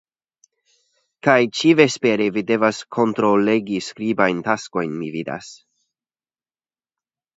Kaj ĉi-vespere vi devas kontrollegi skribajn taskojn, mi vidas.